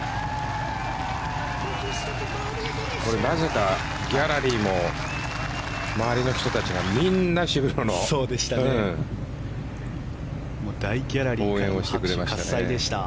これなぜかギャラリーも周りの人たちもみんな渋野の応援をしてくれました。